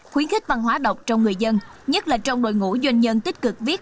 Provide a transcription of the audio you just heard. khuyến khích văn hóa đọc trong người dân nhất là trong đội ngũ doanh nhân tích cực viết